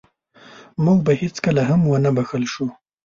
موږ به هېڅکله هم ونه بښل شو.